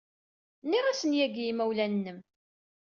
Nniɣ-asen yagi i yimawlan-nnem.